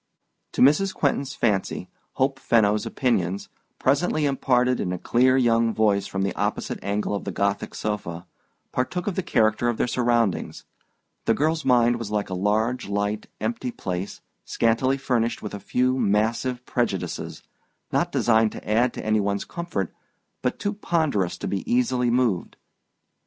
To Mrs. Quentin's fancy, Hope Fenno's opinions, presently imparted in a clear young voice from the opposite angle of the Gothic sofa, partook of the character of their surroundings. The girl's mind was like a large light empty place, scantily furnished with a few massive prejudices, not designed to add to any one's comfort but too ponderous to be easily moved. Mrs.